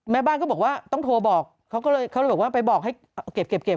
แม่บ้านก็บอกว่าต้องโทรบอกเขาก็เลยเขาเลยบอกว่าไปบอกให้เก็บ